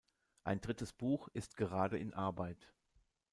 Ein drittes Buch ist gerade in Arbeit.